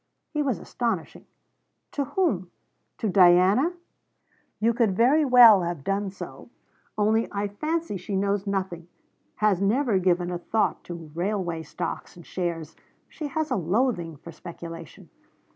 He was astonishing: 'To whom? To Diana? You could very well have done so, only I fancy she knows nothing, has never given a thought to railway stocks and shares; she has a loathing for speculation.'